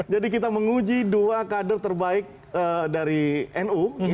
jadi kita menguji dua kader terbaik dari nu